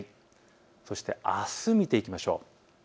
そしてあす、見ていきましょう。